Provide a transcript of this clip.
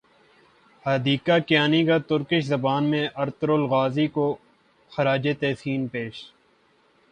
حدیقہ کیانی کا ترکش زبان میں ارطغرل غازی کو خراج تحسین پیش